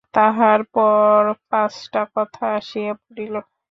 তাহার পর পাঁচটা কথা আসিয়া পড়িল।